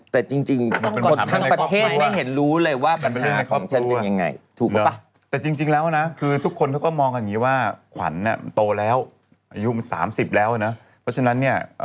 แต่จริงคนทั้งประเทศไม่เห็นรู้เลยว่าปัญหาของฉันเป็นยังไง